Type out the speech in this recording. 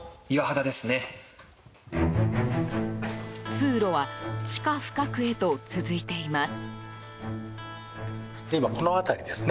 通路は地下深くへと続いています。